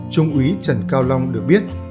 trung úy trần cao long được biết